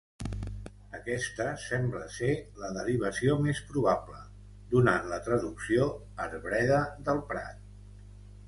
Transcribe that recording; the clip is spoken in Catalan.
Aquesta sembla ser la derivació més probable, donant la traducció "arbreda del prat".